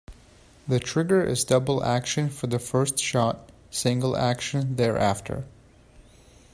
The trigger is double-action for the first shot, single-action thereafter.